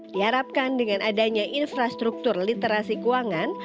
diharapkan dengan adanya infrastruktur literasi keuangan